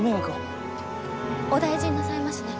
お大事になさいましね。